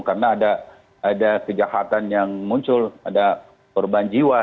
karena ada kejahatan yang muncul ada perubahan jiwa